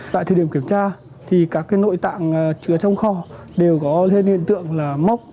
tại thời điểm kiểm tra các nội tạng chứa trong kho đều có hiện tượng là mốc